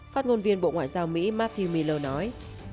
phát ngôn viên bộ ngoại giao mỹ matthew miller nói